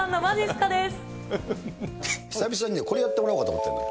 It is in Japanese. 久々にね、これをやってもらおうかと思ってるのよ。